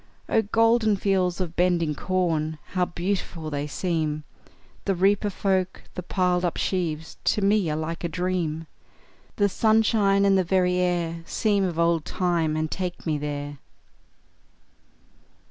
Oh, golden fields of bending corn, How beautiful they seem! The reaper folk, the piled up sheaves, To me are like a dream; The sunshine, and the very air Seem of old time, and take me there!